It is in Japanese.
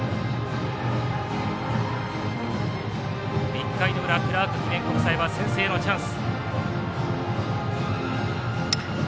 １回の裏、クラーク記念国際は先制のチャンス。